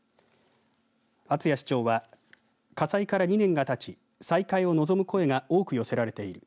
厚谷市長は火災から２人がたち再開を望む声が多く寄せられている。